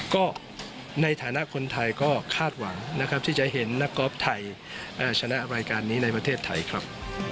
ก็ในฐานะคนไทยก็คาดหวังนะครับที่จะเห็นนักกอล์ฟไทยชนะรายการนี้ในประเทศไทยครับ